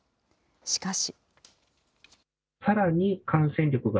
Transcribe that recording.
しかし。